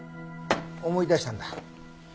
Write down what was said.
思い出したんだ。